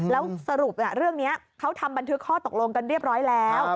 แล้วสรุปเรื่องนี้เขาทำบันทึกข้อตกลงกันเรียบร้อยแล้ว